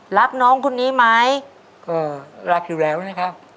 รักน้องคนนี้ไหมก็รักอยู่แล้วนะครับ